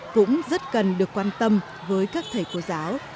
cũng rất cần được quan tâm với các thầy cô giáo